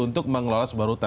untuk mengelola sebuah rutan